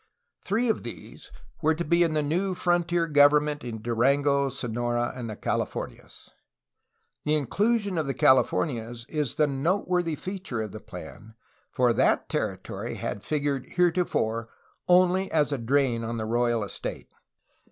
Three of these were. to be in the new frontier government in Durango, Sonora, and the Cali fornias. The inclusion of the Calif ornias is the noteworthy feature of the plan, for that territory had figured heretofore only as a drain on the royal estate.